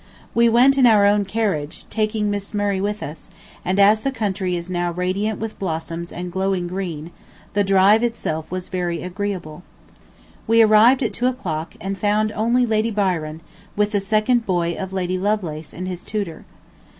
We went in our own carriage, taking Miss Murray with us, and as the country is now radiant with blossoms and glowing green, the drive itself was very agreeable. We arrived at two o'clock, and found only Lady Byron, with the second boy of Lady Lovelace and his tutor.